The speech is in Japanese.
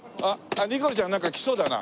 ニコルちゃんなんかきそうだな。